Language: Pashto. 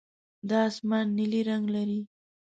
دا اسمان نیلي رنګ لري.